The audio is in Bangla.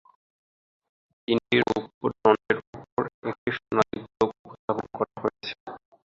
তিনটি রৌপ্য দণ্ডের উপর একটি সোনালী গোলক স্থাপন করা হয়েছে।